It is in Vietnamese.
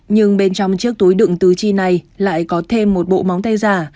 nhưng bên trong chiếc túi đựng tứ chi này lại có thêm một bộ móng tay giả